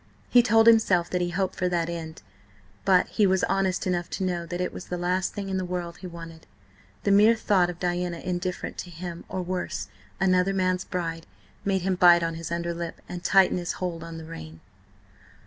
He told himself that he hoped for that end, but he was honest enough to know that it was the last thing in the world he wanted. The mere thought of Diana indifferent to him, or worse, another man's bride, made him bite on his underlip and tighten his hold on the rein.